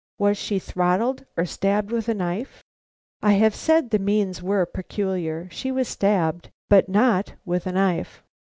Was she throttled or stabbed with a knife?" "I have said the means were peculiar. She was stabbed, but not with a knife."